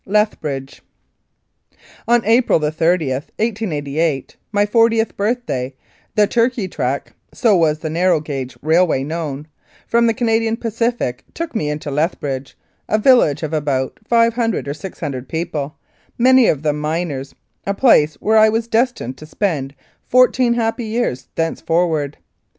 LETHBRIDGE ON April 30, 1888, my fortieth birthday, the "Turkey Track " (so was the narrow gauge railway known) from the Canadian Pacific took me into Lethbridge, a village of about 500 or 600 people many of them miners a place where I was destined to spend fourteen happy years thenceforward.